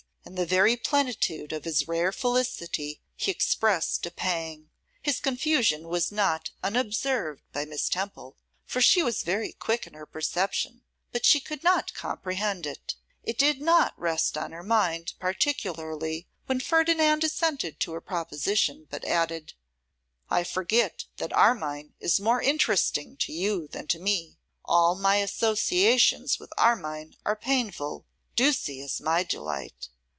in the very plenitude of his rare felicity he expressed a pang. His confusion was not unobserved by Miss Temple; for she was very quick in her perception; but she could not comprehend it. It did not rest on her mind, particularly when Ferdinand assented to her proposition, but added, 'I forgot that Armine is more interesting to you than to me. All my associations with Armine are painful. Ducie is my delight.